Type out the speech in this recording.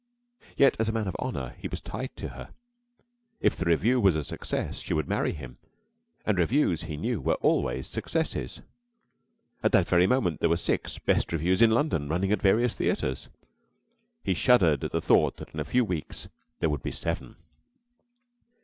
Yet, as a man of honor, he was tied to her. If the revue was a success, she would marry him and revues, he knew, were always successes. At that very moment there were six "best revues in London," running at various theaters. He shuddered at the thought that in a few weeks there would be seven.